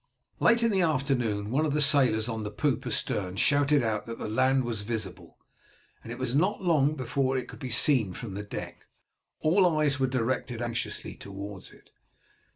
Late in the afternoon one of the sailors on the poop astern shouted out that land was visible, and it was not long before it could be seen from the deck. All eyes were directed anxiously towards it.